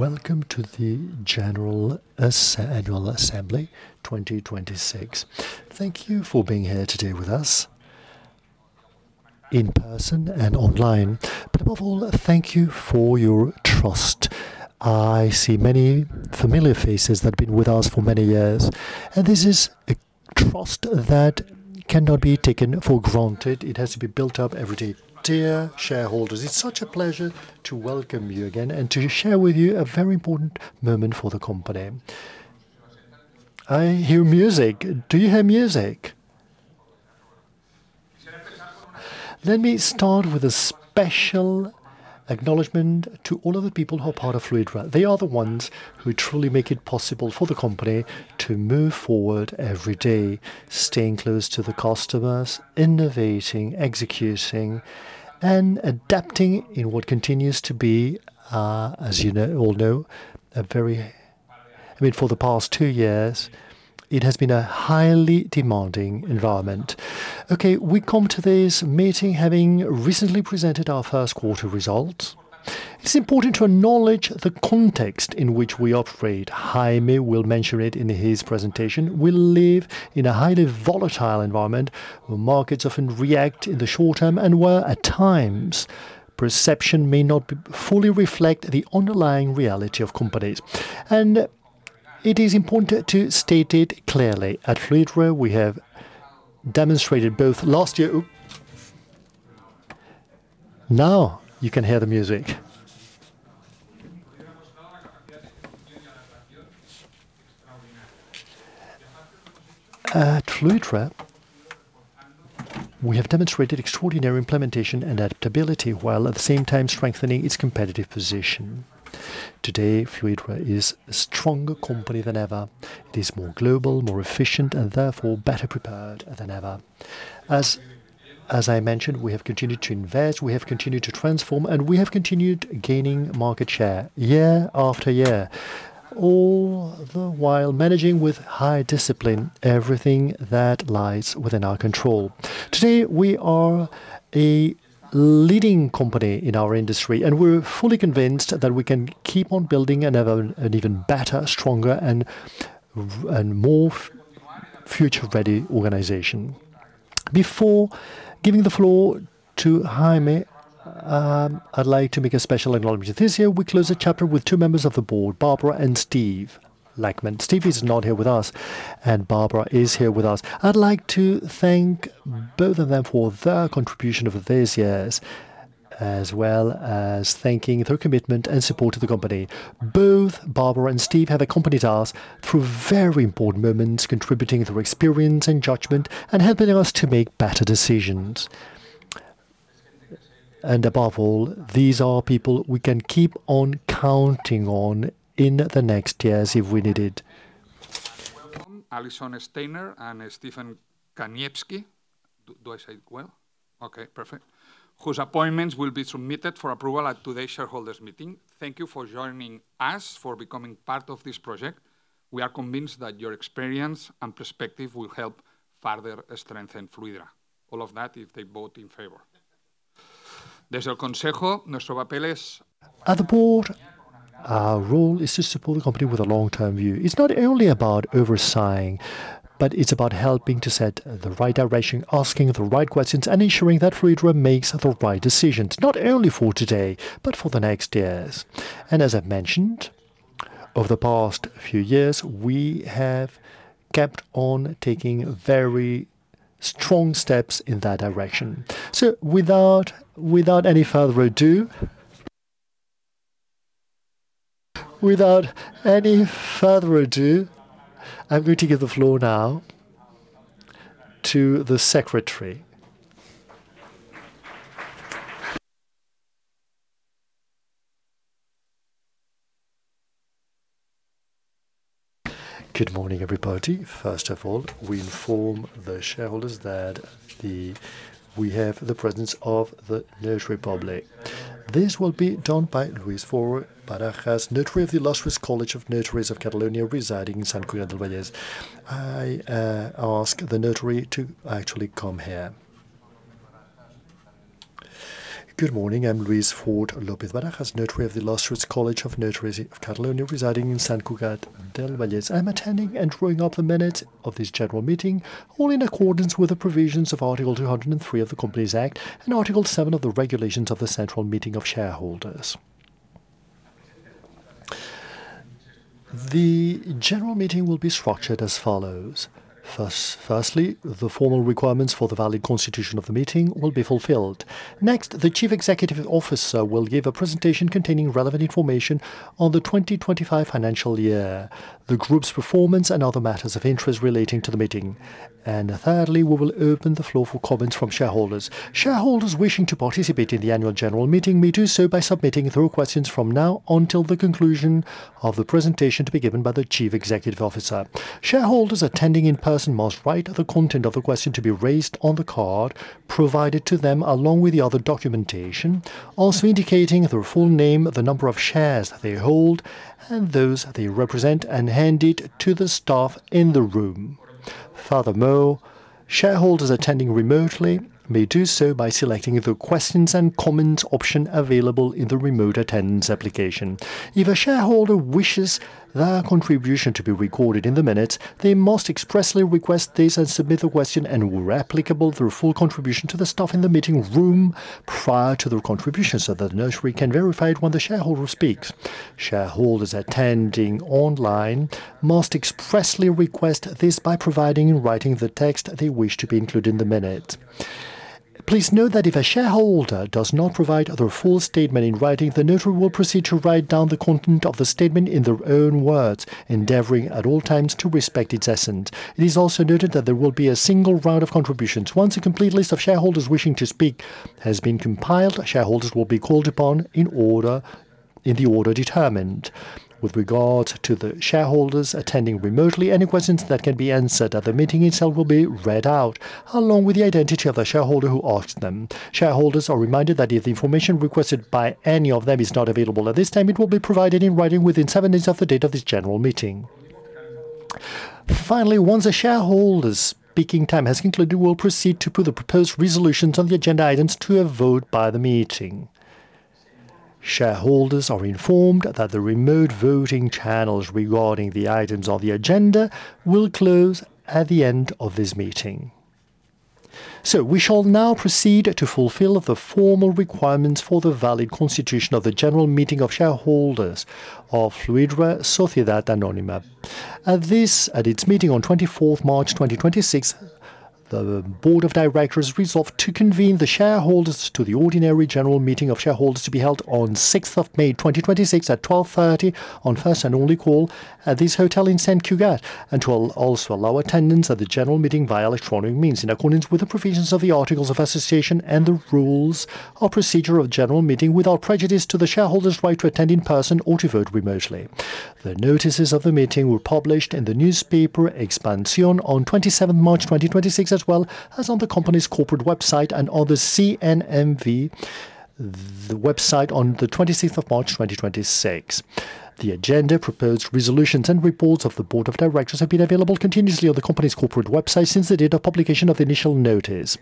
Well, good morning. Welcome to the general annual assembly 2026. Thank you for being here today with us in person and online. Above all, thank you for your trust. I see many familiar faces that have been with us for many years, and this is a trust that cannot be taken for granted. It has to be built up every day. Dear shareholders, it's such a pleasure to welcome you again and to share with you a very important moment for the company. I hear music. Do you hear music? Let me start with a special acknowledgement to all of the people who are part of Fluidra. They are the ones who truly make it possible for the company to move forward every day, staying close to the customers, innovating, executing, and adapting in what continues to be, as you know, all know, a very I mean, for the past two years, it has been a highly demanding environment. Okay, we come to this meeting having recently presented our first quarter results. It's important to acknowledge the context in which we operate. Jaime will mention it in his presentation. We live in a highly volatile environment where markets often react in the short term and where, at times, perception may not fully reflect the underlying reality of companies. It is important to state it clearly. At Fluidra, we have demonstrated both last year. At Fluidra, we have demonstrated extraordinary implementation and adaptability while at the same time strengthening its competitive position. Today, Fluidra is a stronger company than ever. It is more global, more efficient, and therefore better prepared than ever. As I mentioned, we have continued to invest, we have continued to transform, and we have continued gaining market share year after year, all the while managing with high discipline everything that lies within our control. Today, we are a leading company in our industry, and we're fully convinced that we can keep on building an even better, stronger, and more future-ready organization. Before giving the floor to Jaime, I'd like to make a special acknowledgement. This year, we close a chapter with two members of the board, Barbara and Steve Langman. Steve is not here with us, and Barbara is here with us. I'd like to thank both of them for their contribution over these years, as well as thanking their commitment and support to the company. Both Barbara and Steve have accompanied us through very important moments, contributing their experience and judgment and helping us to make better decisions. Above all, these are people we can keep on counting on in the next years if we need it. Welcome, Allison Steiner and Stephen Kaniewski. Do I say it well? Okay, perfect. Whose appointments will be submitted for approval at today's shareholders' meeting. Thank you for joining us, for becoming part of this project. We are convinced that your experience and perspective will help further strengthen Fluidra. All of that if they vote in favor. At the board, our role is to support the company with a long-term view. It's not only about overseeing, but it's about helping to set the right direction, asking the right questions, and ensuring that Fluidra makes the right decisions, not only for today, but for the next years. As I've mentioned, over the past few years, we have kept on taking very strong steps in that direction. Without any further ado, I'm going to give the floor now to the secretary. Good morning, everybody. First of all, we inform the shareholders that we have the presence of the notary public. This will be done by Luis Fort Barajas, notary of the Illustrious College of Notaries of Catalonia, residing in Sant Cugat del Vallès. I ask the notary to actually come here. Good morning. I'm Luis Fort López-Barajas, notary of the Illustrious College of Notaries of Catalonia, residing in Sant Cugat del Vallès. I'm attending and drawing up the minutes of this general meeting, all in accordance with the provisions of Article 203 of the Companies Act and Article 7 of the Regulations of the General Meeting of Shareholders. The general meeting will be structured as follows. Firstly, the formal requirements for the valid constitution of the meeting will be fulfilled. Next, the Chief Executive Officer will give a presentation containing relevant information on the 2025 financial year, the group's performance, and other matters of interest relating to the meeting. Thirdly, we will open the floor for comments from shareholders. Shareholders wishing to participate in the annual general meeting may do so by submitting their questions from now until the conclusion of the presentation to be given by the Chief Executive Officer. Shareholders attending in person must write the content of the question to be raised on the card provided to them along with the other documentation, also indicating their full name, the number of shares they hold and those they represent, and hand it to the staff in the room. Furthermore, shareholders attending remotely may do so by selecting the Questions and Comments option available in the remote attendance application. If a shareholder wishes their contribution to be recorded in the minutes, they must expressly request this and submit the question and, where applicable, the full contribution to the staff in the meeting room prior to their contribution so that the notary can verify it when the shareholder speaks. Shareholders attending online must expressly request this by providing and writing the text they wish to be included in the minutes. Please note that if a shareholder does not provide their full statement in writing, the notary will proceed to write down the content of the statement in their own words, endeavoring at all times to respect its essence. It is also noted that there will be a single round of contributions. Once a complete list of shareholders wishing to speak has been compiled, shareholders will be called upon in order, in the order determined. With regard to the shareholders attending remotely, any questions that can be answered at the meeting itself will be read out, along with the identity of the shareholder who asked them. Shareholders are reminded that if the information requested by any of them is not available at this time, it will be provided in writing within seven days of the date of this general meeting. Finally, once a shareholder's speaking time has concluded, we will proceed to put the proposed resolutions on the agenda items to a vote by the meeting. Shareholders are informed that the remote voting channels regarding the items on the agenda will close at the end of this meeting. We shall now proceed to fulfill the formal requirements for the valid constitution of the general meeting of shareholders of Fluidra, S.A. At its meeting on 24th March 2026, the Board of Directors resolved to convene the shareholders to the ordinary general meeting of shareholders to be held on 6th of May 2026 at 12:30 P.M. on first and only call at this hotel in Sant Cugat, and to also allow attendance at the general meeting via electronic means in accordance with the provisions of the articles of association and the rules of procedure of general meeting, without prejudice to the shareholder's right to attend in person or to vote remotely. The notices of the meeting were published in the newspaper Expansión on 27th March 2026, as well as on the company's corporate website and on the CNMV, the website on the 26th of March 2026. The agenda, proposed resolutions, and reports of the Board of Directors have been available continuously on the company's corporate website since the date of publication of the initial notice.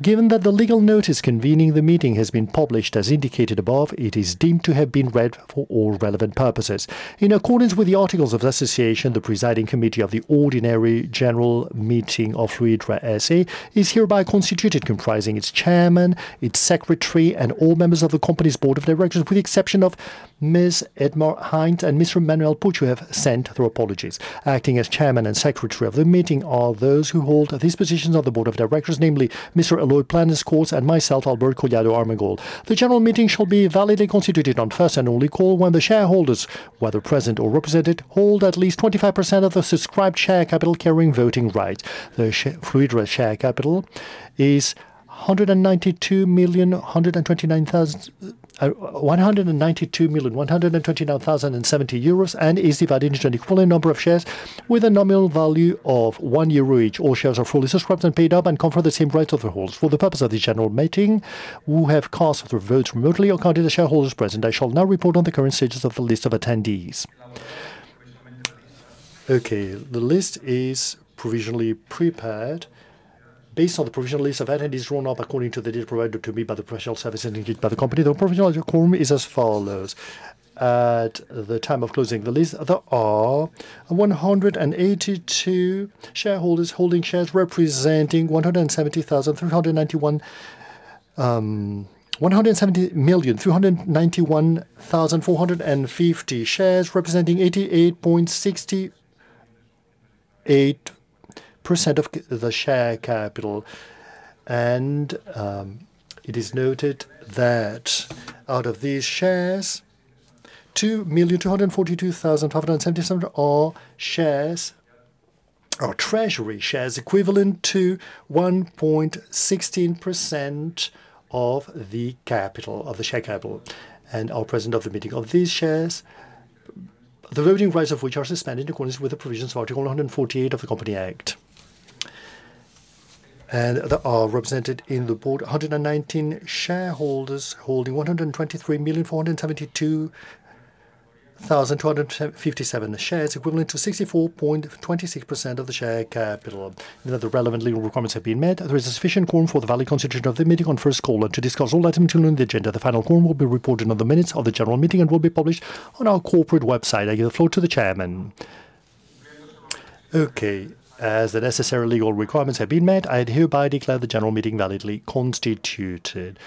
Given that the legal notice convening the meeting has been published as indicated above, it is deemed to have been read for all relevant purposes. In accordance with the articles of association, the presiding committee of the ordinary general meeting of Fluidra, S.A. is hereby constituted, comprising its chairman, its secretary, and all members of the company's Board of Directors, with the exception of Ms. Aedhmar Hynes and Mr. Manuel Puig Rocha, who have sent their apologies. Acting as chairman and secretary of the meeting are those who hold these positions on the Board of Directors, namely Mr. Eloy Planes Corts and myself, Albert Collado Armengol. The general meeting shall be validly constituted on first and only call when the shareholders, whether present or represented, hold at least 25% of the subscribed share capital carrying voting rights. The Fluidra share capital is 192,129,070 euros and is divided into an equal number of shares with a nominal value of 1 euro each. All shares are fully subscribed and paid up and confer the same rights of the holders. For the purpose of this general meeting, who have cast their votes remotely or counted as shareholders present, I shall now report on the current status of the list of attendees. Okay. The list is provisionally prepared based on the provisional list of attendees drawn up according to the data provided to me by the professional service indicated by the company. The provisional quorum is as follows: At the time of closing the list, there are 182 shareholders holding shares representing 170,391,450 shares, representing 88.68% of the share capital. It is noted that out of these shares, 2,242,577 are treasury shares equivalent to 1.16% of the capital, of the share capital and are present at the meeting of these shares, the voting rights of which are suspended in accordance with the provisions of Article 148 of the Company Act. There are represented in the board 119 shareholders holding 123,472,257 shares, equivalent to 64.26% of the share capital. Now that the relevant legal requirements have been met, there is a sufficient quorum for the valid constitution of the meeting on first call and to discuss all items included in the agenda. The final quorum will be reported on the minutes of the general meeting and will be published on our corporate website. I give the floor to the chairman. Okay. As the necessary legal requirements have been met, I hereby declare the general meeting validly constituted.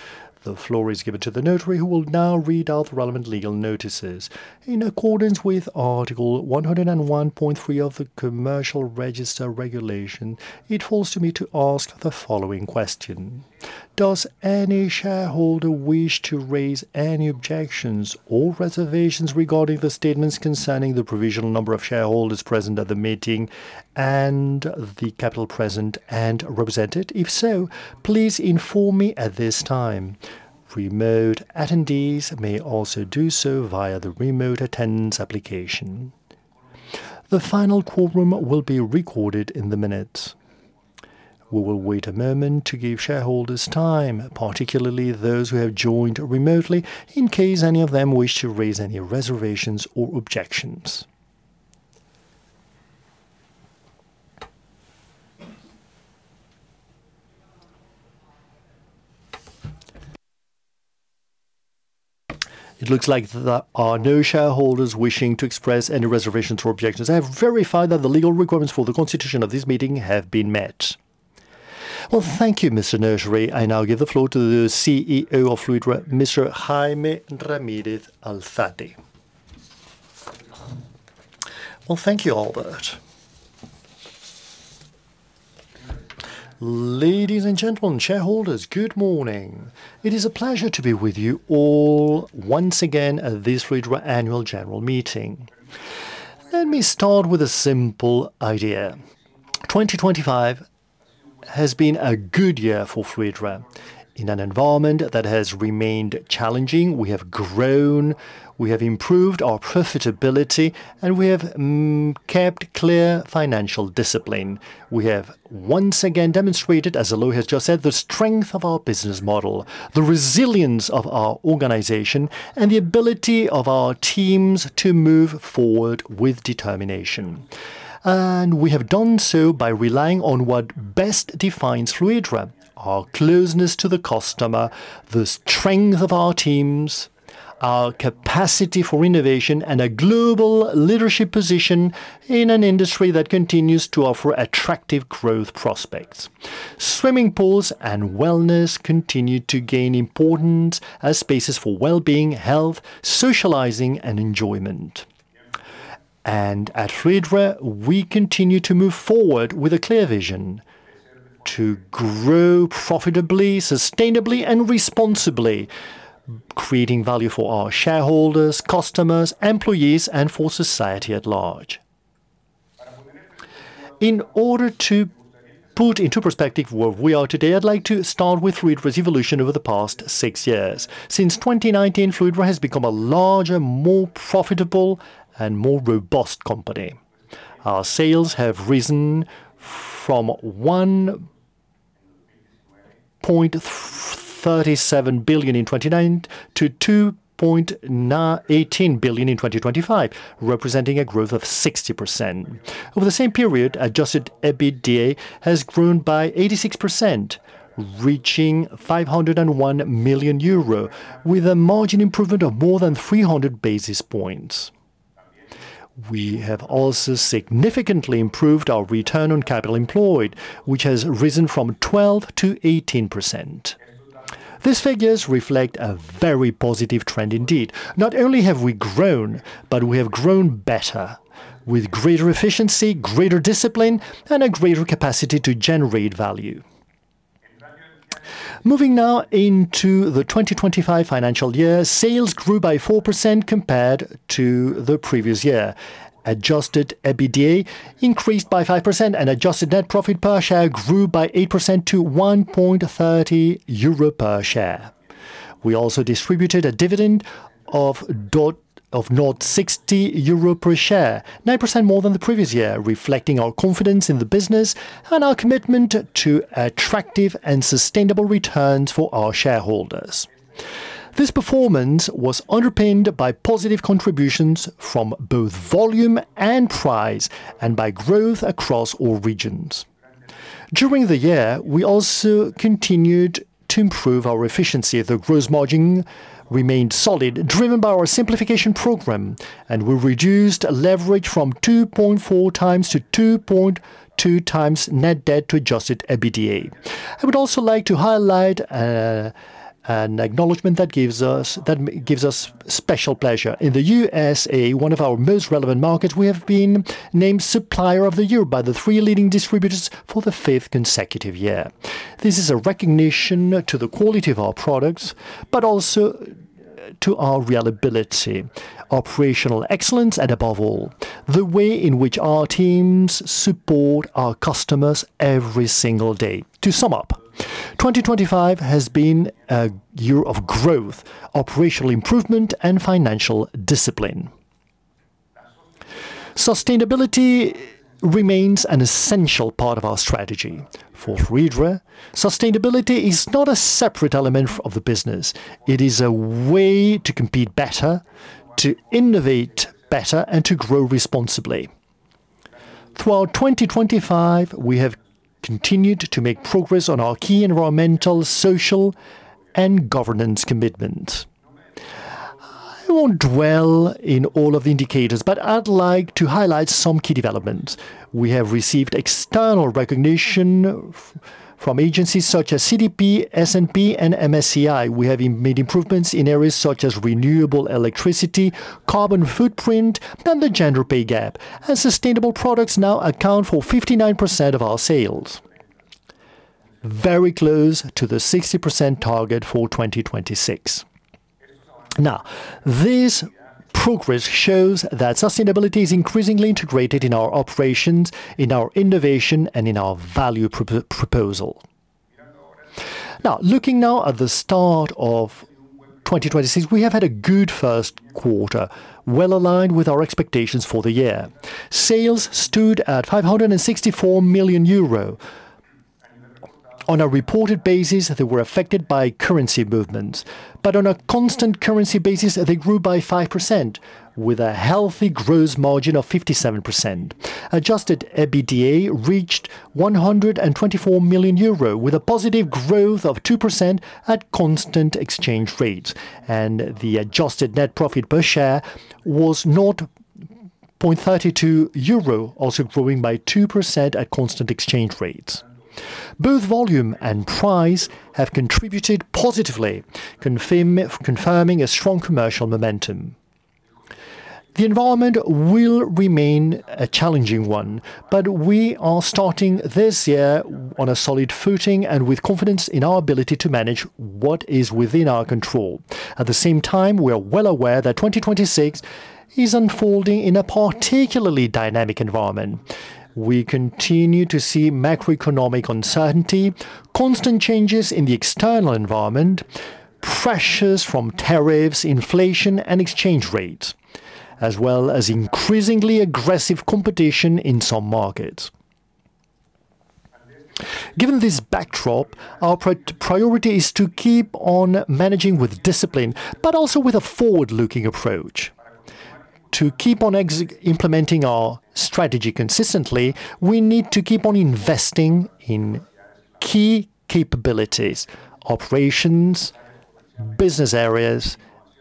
The floor is given to the notary, who will now read out the relevant legal notices. In accordance with Article 101.3 of the Commercial Registry Regulations, it falls to me to ask the following question: Does any shareholder wish to raise any objections or reservations regarding the statements concerning the provisional number of shareholders present at the meeting and the capital present and represented? If so, please inform me at this time. Remote attendees may also do so via the remote attendance application. The final quorum will be recorded in the minutes. We will wait a moment to give shareholders time, particularly those who have joined remotely, in case any of them wish to raise any reservations or objections. It looks like there are no shareholders wishing to express any reservations or objections. I have verified that the legal requirements for the constitution of this meeting have been met. Thank you, Mr. Notary. I now give the floor to the CEO of Fluidra, Mr. Jaime Ramírez Alzate. Thank you, Albert. Ladies and gentlemen, shareholders, good morning. It is a pleasure to be with you all once again at this Fluidra annual general meeting. Let me start with a simple idea. 2025 has been a good year for Fluidra. In an environment that has remained challenging, we have grown, we have improved our profitability, and we have kept clear financial discipline. We have once again demonstrated, as Eloy has just said, the strength of our business model, the resilience of our organization, and the ability of our teams to move forward with determination. We have done so by relying on what best defines Fluidra: our closeness to the customer, the strength of our teams, our capacity for innovation, and a global leadership position in an industry that continues to offer attractive growth prospects. Swimming pools and wellness continue to gain importance as spaces for well-being, health, socializing, and enjoyment. At Fluidra, we continue to move forward with a clear vision to grow profitably, sustainably, and responsibly, creating value for our shareholders, customers, employees, and for society at large. In order to put into perspective where we are today, I'd like to start with Fluidra's evolution over the past six years. Since 2019, Fluidra has become a larger, more profitable, and more robust company. Our sales have risen from 1.37 billion in 2019 to 2.18 billion in 2025, representing a growth of 60%. Over the same period, adjusted EBITDA has grown by 86%, reaching 501 million euro, with a margin improvement of more than 300 basis points. We have also significantly improved our return on capital employed, which has risen from 12%-18%. These figures reflect a very positive trend indeed. Not only have we grown, but we have grown better with greater efficiency, greater discipline, and a greater capacity to generate value. Moving now into the FY 2025, sales grew by 4% compared to the previous year. Adjusted EBITDA increased by 5%, and adjusted net profit per share grew by 8% to 1.30 euro per share. We also distributed a dividend of 0.60 euro per share, 9% more than the previous year, reflecting our confidence in the business and our commitment to attractive and sustainable returns for our shareholders. This performance was underpinned by positive contributions from both volume and price and by growth across all regions. During the year, we also continued to improve our efficiency. The gross margin remained solid, driven by our simplification program, and we reduced leverage from 2.4x to 2.2x net debt to Adjusted EBITDA. I would also like to highlight an acknowledgement that gives us special pleasure. In the U.S.A., one of our most relevant markets, we have been named Supplier of the Year by the three leading distributors for the fifth consecutive year. This is a recognition to the quality of our products, but also to our reliability, operational excellence, and above all, the way in which our teams support our customers every single day. To sum up, 2025 has been a year of growth, operational improvement, and financial discipline. Sustainability remains an essential part of our strategy. For Fluidra, sustainability is not a separate element of the business. It is a way to compete better, to innovate better, and to grow responsibly. Throughout 2025, we have continued to make progress on our key environmental, social, and governance commitment. I won't dwell in all of the indicators, but I'd like to highlight some key developments. We have received external recognition from agencies such as CDP, S&P, and MSCI. We have made improvements in areas such as renewable electricity, carbon footprint, and the gender pay gap. Sustainable products now account for 59% of our sales, very close to the 60% target for 2026. This progress shows that sustainability is increasingly integrated in our operations, in our innovation, and in our value proposal. Looking now at the start of 2026, we have had a good first quarter, well aligned with our expectations for the year. Sales stood at 564 million euro. On a reported basis, they were affected by currency movements, but on a constant currency basis, they grew by 5% with a healthy gross margin of 57%. Adjusted EBITDA reached 124 million euro with a positive growth of 2% at constant exchange rates. The adjusted net profit per share was 0.32 euro, also growing by 2% at constant exchange rates. Both volume and price have contributed positively, confirming a strong commercial momentum. The environment will remain a challenging one, but we are starting this year on a solid footing and with confidence in our ability to manage what is within our control. At the same time, we are well aware that 2026 is unfolding in a particularly dynamic environment. We continue to see macroeconomic uncertainty, constant changes in the external environment, pressures from tariffs, inflation, and exchange rates, as well as increasingly aggressive competition in some markets. Given this backdrop, our priority is to keep on managing with discipline, but also with a forward-looking approach. To keep on implementing our strategy consistently, we need to keep on investing in key capabilities: operations, business areas,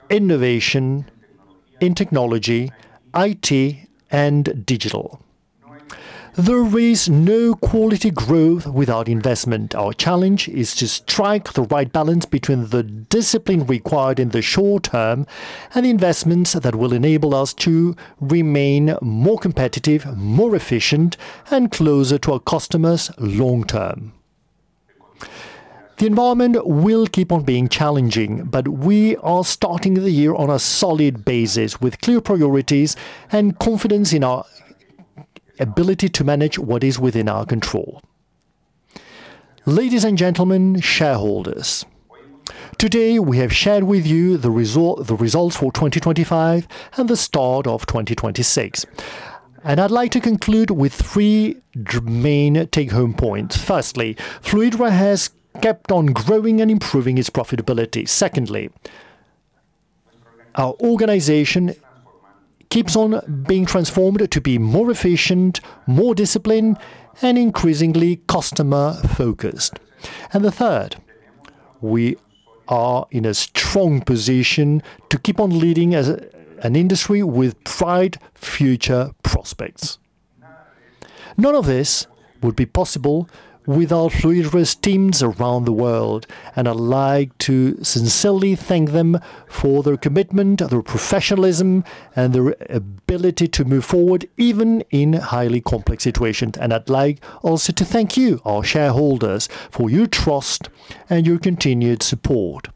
innovation in technology, IT, and digital. There is no quality growth without investment. Our challenge is to strike the right balance between the discipline required in the short term and investments that will enable us to remain more competitive, more efficient, and closer to our customers long term. The environment will keep on being challenging. We are starting the year on a solid basis with clear priorities and confidence in our ability to manage what is within our control. Ladies and gentlemen, shareholders, today we have shared with you the results for 2025 and the start of 2026. I'd like to conclude with three main take-home points. Firstly, Fluidra has kept on growing and improving its profitability. Secondly, our organization keeps on being transformed to be more efficient, more disciplined, and increasingly customer-focused. The third, we are in a strong position to keep on leading as an industry with bright future prospects. None of this would be possible without Fluidra's teams around the world, and I'd like to sincerely thank them for their commitment, their professionalism, and their ability to move forward, even in highly complex situations. I'd like also to thank you, our shareholders, for your trust and your continued support.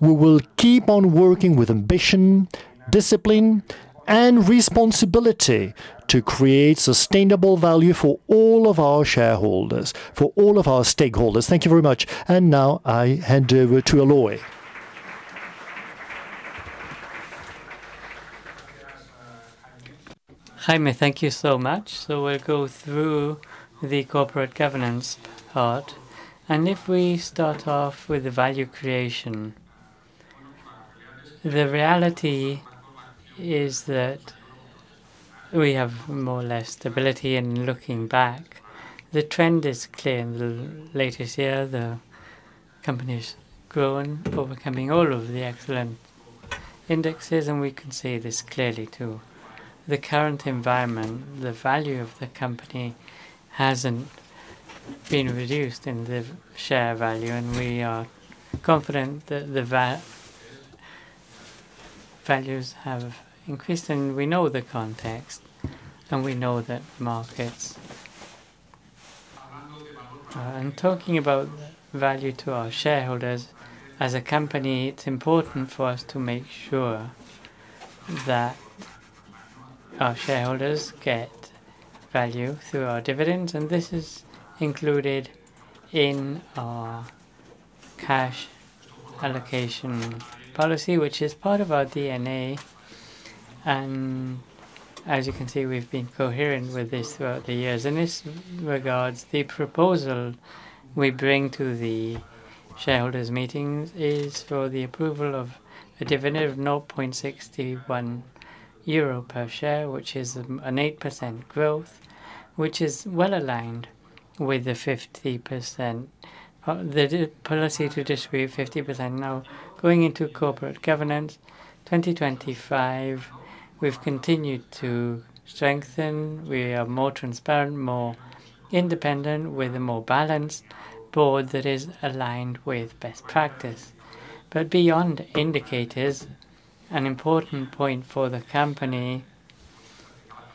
We will keep on working with ambition, discipline, and responsibility to create sustainable value for all of our shareholders, for all of our stakeholders. Thank you very much. Now I hand over to Eloy. Jaime, thank you so much. We'll go through the corporate governance part. If we start off with the value creation, the reality is that we have more or less stability in looking back. The trend is clear. In the latest year, the company's grown, overcoming all of the excellent indexes, and we can see this clearly too. The current environment, the value of the company hasn't been reduced in the share value, and we are confident that the values have increased, and we know the context, and we know the markets. In talking about value to our shareholders, as a company, it's important for us to make sure that our shareholders get value through our dividends, and this is included in our cash allocation policy, which is part of our DNA. As you can see, we've been coherent with this throughout the years. In this regard, the proposal we bring to the shareholders' meetings is for the approval of a dividend of 0.61 euro per share, which is an 8% growth, which is well aligned with the 50%, the policy to distribute 50%. Going into corporate governance, 2025, we've continued to strengthen. We are more transparent, more independent, with a more balanced board that is aligned with best practice. Beyond indicators, an important point for the company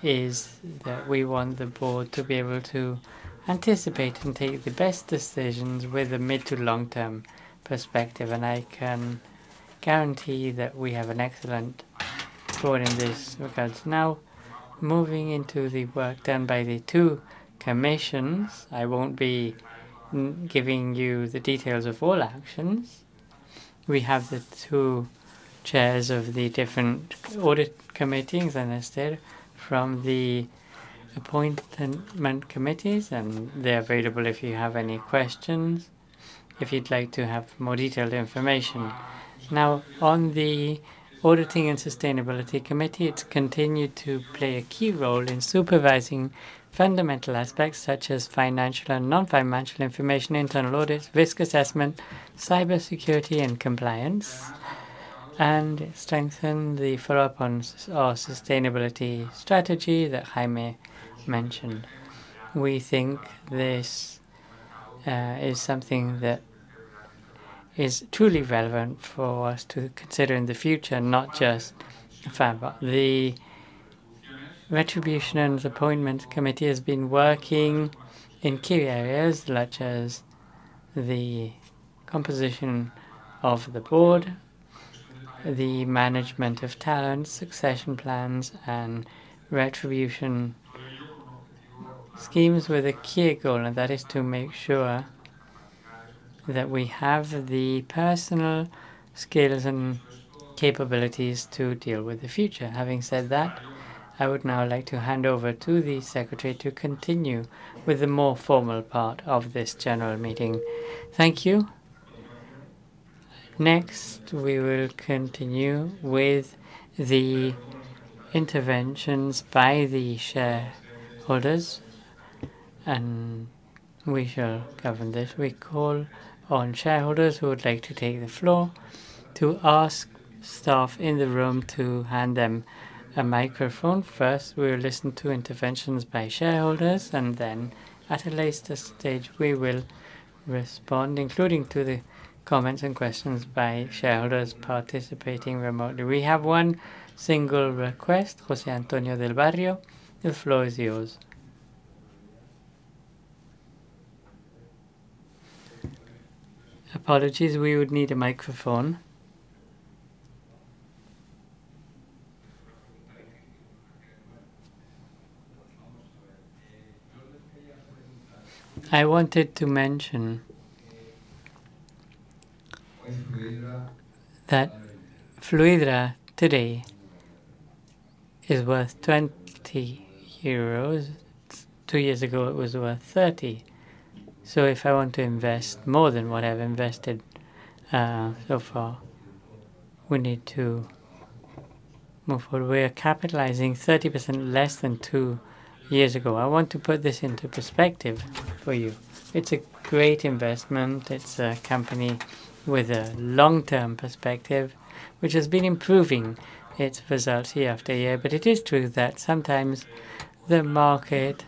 is that we want the board to be able to anticipate and take the best decisions with a mid- to long-term perspective, and I can guarantee that we have an excellent. In this regard, Moving into the work done by the two commissions, I won't be giving you the details of all actions. We have the two chairs of the different audit committees, Esther from the appointment committees, and they're available if you have any questions, if you'd like to have more detailed information. Now, on the auditing and sustainability committee, it's continued to play a key role in supervising fundamental aspects such as financial and non-financial information, internal audits, risk assessment, cybersecurity and compliance, and strengthen the follow-up on our sustainability strategy that Jaime mentioned. We think this is something that is truly relevant for us to consider in the future, not just Fluidra. The remuneration and appointment committee has been working in key areas such as the composition of the board, the management of talent, succession plans, and remuneration schemes with a key goal, and that is to make sure that we have the personal skills and capabilities to deal with the future. Having said that, I would now like to hand over to the secretary to continue with the more formal part of this general meeting. Thank you. We will continue with the interventions by the shareholders, and we shall govern this. We call on shareholders who would like to take the floor to ask staff in the room to hand them a microphone. First, we will listen to interventions by shareholders, and then at a later stage, we will respond, including to the comments and questions by shareholders participating remotely. We have one single request, Jose Antonio del Barrio. The floor is yours. Apologies, we would need a microphone. I wanted to mention that Fluidra today is worth 20 euros. Two years ago, it was worth 30. If I want to invest more than what I've invested so far, we need to move forward. We are capitalizing 30% less than two years ago. I want to put this into perspective for you. It's a great investment. It's a company with a long-term perspective, which has been improving its results year after year. It is true that sometimes the market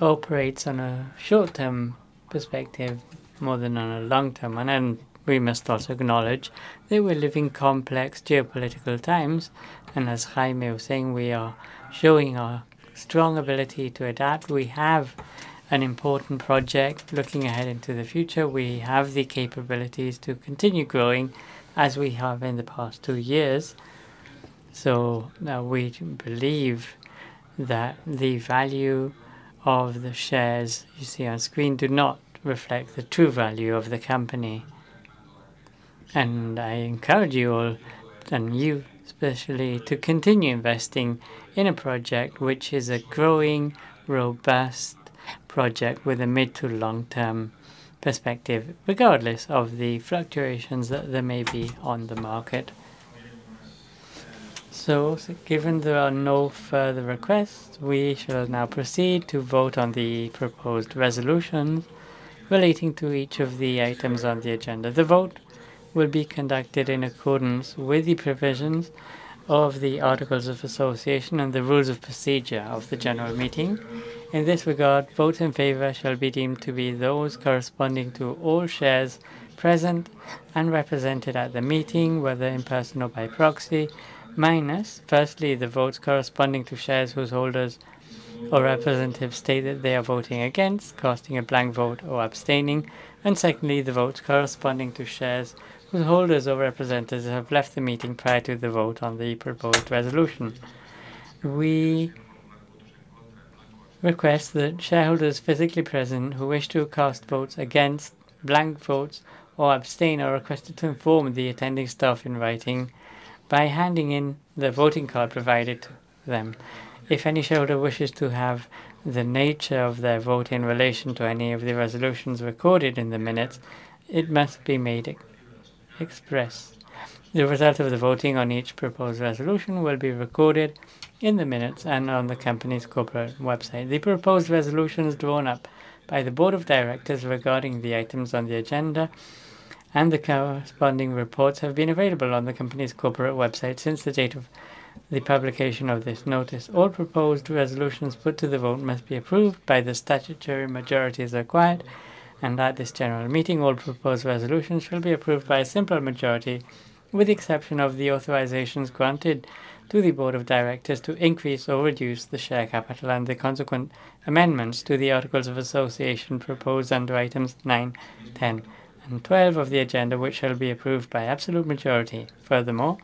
operates on a short-term perspective more than on a long-term. Then we must also acknowledge that we live in complex geopolitical times. As Jaime was saying, we are showing a strong ability to adapt. We have an important project looking ahead into the future. We have the capabilities to continue growing as we have in the past two years. Now we believe that the value of the shares you see on screen do not reflect the true value of the company. I encourage you all, and you especially, to continue investing in a project which is a growing, robust project with a mid to long-term perspective, regardless of the fluctuations that there may be on the market. Given there are no further requests, we shall now proceed to vote on the proposed resolutions relating to each of the items on the agenda. The vote will be conducted in accordance with the provisions of the articles of association and the rules of procedure of the general meeting. In this regard, votes in favor shall be deemed to be those corresponding to all shares present and represented at the meeting, whether in person or by proxy, minus, firstly, the votes corresponding to shares whose holders or representatives stated they are voting against, casting a blank vote or abstaining, and secondly, the votes corresponding to shares whose holders or representatives have left the meeting prior to the vote on the proposed resolution. We request that shareholders physically present who wish to cast votes against blank votes or abstain are requested to inform the attending staff in writing by handing in the voting card provided to them. If any shareholder wishes to have the nature of their vote in relation to any of the resolutions recorded in the minutes, it must be made express. The result of the voting on each proposed resolution will be recorded in the minutes and on the company's corporate website. The proposed resolutions drawn up by the Board of Directors regarding the items on the agenda and the corresponding reports have been available on the company's corporate website since the date of the publication of this notice. All proposed resolutions put to the vote must be approved by the statutory majorities required, and at this general meeting, all proposed resolutions shall be approved by a simple majority, with the exception of the authorizations granted to the Board of Directors to increase or reduce the share capital and the consequent amendments to the articles of association proposed under items 9, 10, and 12 of the agenda, which shall be approved by absolute majority. Further more,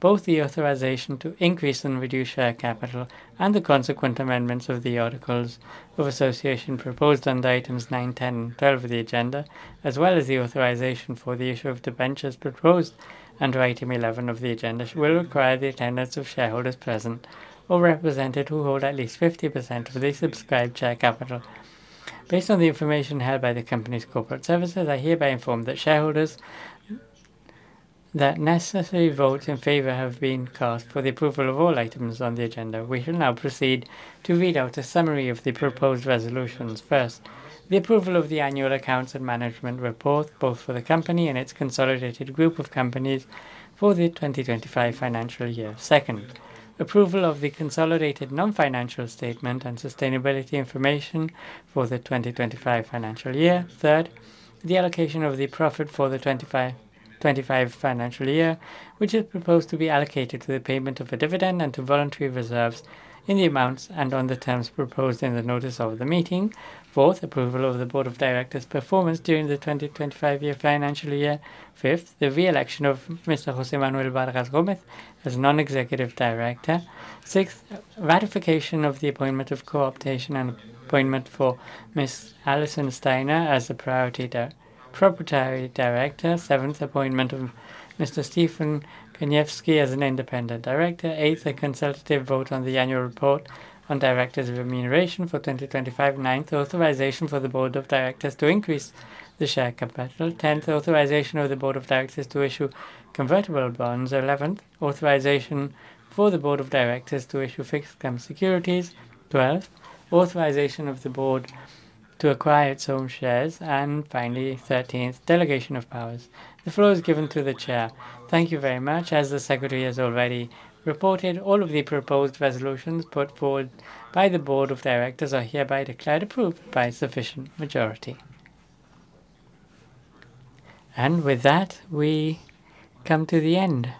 both the authorization to increase and reduce share capital and the consequent amendments of the articles of association proposed under items 9, 10, and 12 of the agenda, as well as the authorization for the issue of debentures proposed under item 11 of the agenda, will require the attendance of shareholders present or represented who hold at least 50% of the subscribed share capital. Based on the information held by the company's corporate services, I hereby inform that shareholders that necessary votes in favor have been cast for the approval of all items on the agenda. We shall now proceed to read out a summary of the proposed resolutions. First, the approval of the annual accounts and management report, both for the company and its consolidated group of companies for the 2025 financial year. Second, approval of the consolidated non-financial statement and sustainability information for the 2025 financial year. Third, the allocation of the profit for the 2025 financial year, which is proposed to be allocated to the payment of a dividend and to voluntary reserves in the amounts and on the terms proposed in the notice of the meeting. Fourth, approval of the Board of Directors' performance during the 2025 financial year. Fifth, the re-election of Mr. José Manuel Vargas Gómez as Non-Executive Director. Sixth, ratification of the appointment of co-optation and appointment for Ms. Allison Steiner as the Proprietary Director. Seventh, appointment of Mr. Stephen Kaniewski as an independent director. Eighth, a consultative vote on the annual report on directors' of remuneration for 2025. Ninth, authorization for the Board of Directors to increase the share capital. 10th, authorization of the Board of Directors to issue convertible bonds. 11th, authorization for the Board of Directors to issue fixed-term securities. 12th, authorization of the board to acquire its own shares. Finally, 13th, delegation of powers. The floor is given to the chair. Thank you very much. As the secretary has already reported, all of the proposed resolutions put forward by the Board of Directors are hereby declared approved by sufficient majority. With that, we come to the end.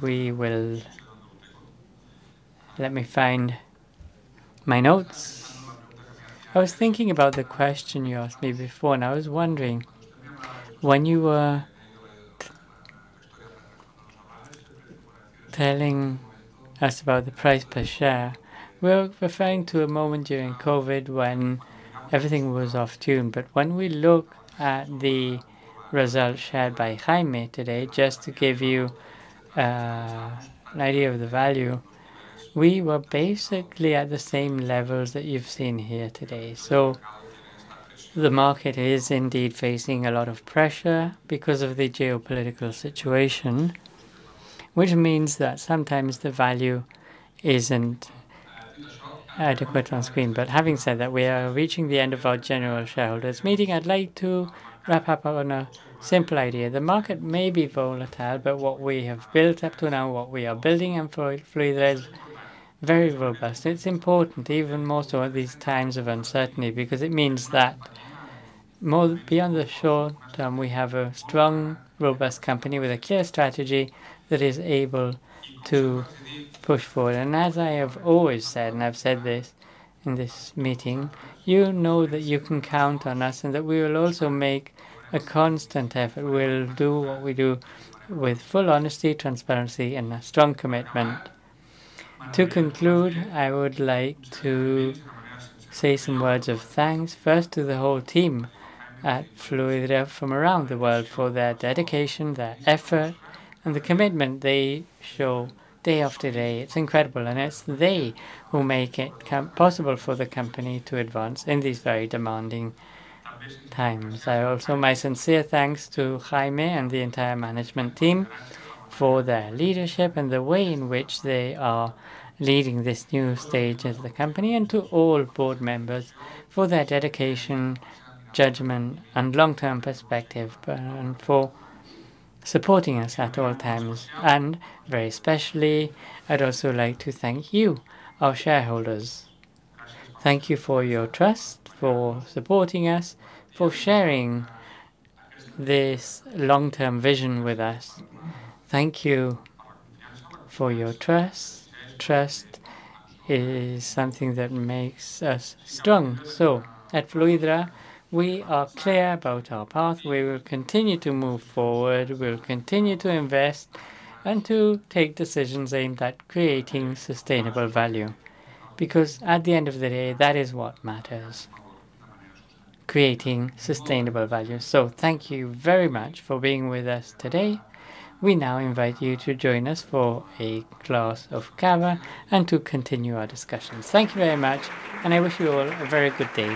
We will. Let me find my notes. I was thinking about the question you asked me before, and I was wondering, when you were telling us about the price per share, we're referring to a moment during COVID when everything was off-tune. When we look at the results shared by Jaime today, just to give you an idea of the value, we were basically at the same levels that you've seen here today. The market is indeed facing a lot of pressure because of the geopolitical situation, which means that sometimes the value isn't adequate on screen. Having said that, we are reaching the end of our general shareholders meeting. I'd like to wrap up on a simple idea. The market may be volatile, but what we have built up to now, what we are building in Fluidra is very robust. It's important, even more so at these times of uncertainty, because it means that beyond the short term, we have a strong, robust company with a clear strategy that is able to push forward. As I have always said, and I've said this in this meeting, you know that you can count on us and that we will also make a constant effort. We'll do what we do with full honesty, transparency, and a strong commitment. To conclude, I would like to say some words of thanks, first to the whole team at Fluidra from around the world for their dedication, their effort, and the commitment they show day after day. It's incredible, and it's they who make it possible for the company to advance in these very demanding times. My sincere thanks to Jaime and the entire management team for their leadership and the way in which they are leading this new stage of the company, and to all board members for their dedication, judgment, and long-term perspective, and for supporting us at all times. Very specially, I'd also like to thank you, our shareholders. Thank you for your trust, for supporting us, for sharing this long-term vision with us. Thank you for your trust. Trust is something that makes us strong. At Fluidra, we are clear about our path. We will continue to move forward. We'll continue to invest and to take decisions aimed at creating sustainable value. Because at the end of the day, that is what matters, creating sustainable value. Thank you very much for being with us today. We now invite you to join us for a glass of cava and to continue our discussions. Thank you very much, and I wish you all a very good day.